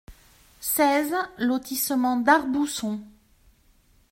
seize lotissement Darbousson